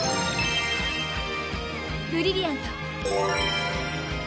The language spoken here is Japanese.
ブリリアント！